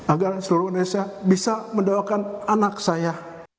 agar seluruh indonesia bisa mendoakan anak saya